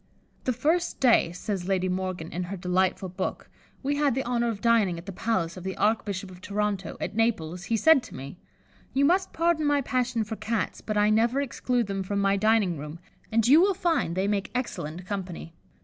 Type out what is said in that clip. "The first day," says Lady Morgan, in her delightful book, "we had the honour of dining at the palace of the Archbishop of Toronto, at Naples, he said to me, 'You must pardon my passion for Cats, but I never exclude them from my dining room, and you will find they make excellent company.